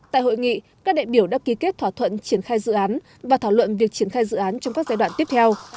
tại hội nghị các đại biểu đã ký kết thỏa thuận triển khai dự án và thảo luận việc triển khai dự án trong các giai đoạn tiếp theo